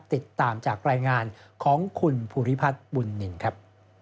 ติดตามจากรายงานของคุณภูริพัฒน์บุญนินครับ